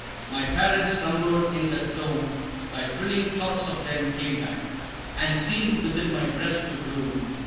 My parents slumbered in the tomb; But thrilling thoughts of them came back, And seemed within my breast to bloom.